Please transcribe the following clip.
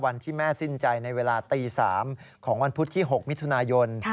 วันที่แม่สิ้นใจในเวลาตี๓ของวันพุธที่๖มิถุนายน